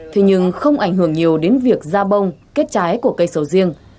thế nhưng không ảnh hưởng nhiều đến việc ra bông kết trái của cây sầu riêng